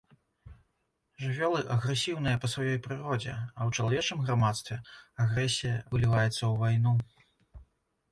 Жывёлы агрэсіўныя па сваёй прыродзе, а ў чалавечым грамадстве агрэсія выліваецца ў вайну.